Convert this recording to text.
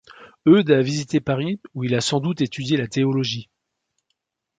Eudes a visité Paris, où il a sans doute étudié la théologie.